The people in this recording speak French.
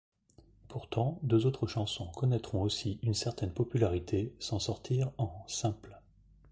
Pourtant, deux autres chansons connaitront aussi une certaine popularité sans sortir en simples.